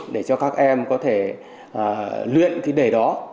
để cho các em có thể luyện cái đề đó